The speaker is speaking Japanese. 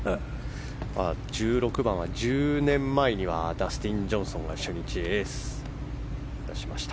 １６番は１０年前にはダスティン・ジョンソンが初日にエースを出しました。